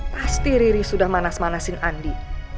pasti riri sudah manas manasin andi